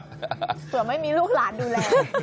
เผื่อไม่มีลูกหลานดูแล